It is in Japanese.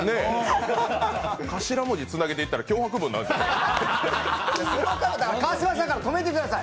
頭文字つなげていったら、脅迫文になるんじゃない？